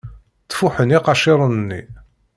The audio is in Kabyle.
Ttfuḥen iqaciren-nni.